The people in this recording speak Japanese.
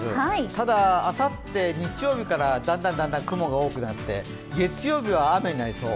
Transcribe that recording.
ただあさって日曜日からだんだん雲が多くなって、月曜日は雨になりそう、